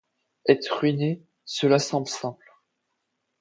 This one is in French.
Être ruiné, cela semble simple.